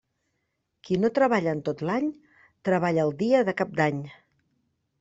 Qui no treballa en tot l'any, treballa el dia de Cap d'Any.